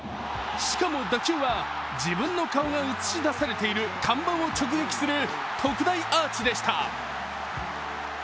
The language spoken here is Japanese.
しかも打球は自分の顔が映し出されている看板を直撃する特大アーチでした。